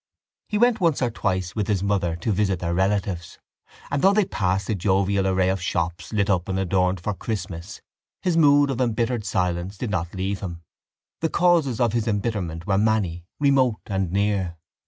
He went once or twice with his mother to visit their relatives: and though they passed a jovial array of shops lit up and adorned for Christmas his mood of embittered silence did not leave him. The causes of his embitterment were many, remote and near.